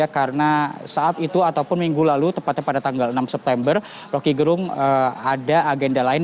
dan saat itu ataupun minggu lalu tepatnya pada tanggal enam september roky gerung ada agenda lain